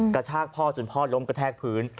กระชากพ่อจนพ่อล้มกระแทกพื้น